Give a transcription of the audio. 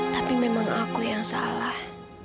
tapi memang aku yang salah